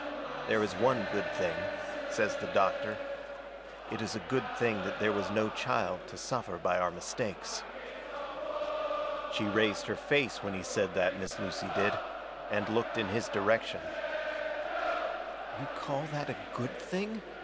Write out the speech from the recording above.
"There is one good thing," says the doctor. "It is a good thing that there was no child to suffer by our mistakes." She raised her face when he said that, Miss Lucy did, and looked in his direction. "You call that a good thing?"